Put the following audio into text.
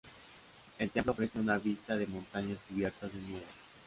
El templo ofrece una vista de montañas cubiertas de nieve.